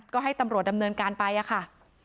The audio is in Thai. ก็ให้ตำรวจดำเนินการไปอะค่ะ